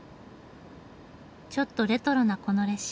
ちょっとレトロなこの列車。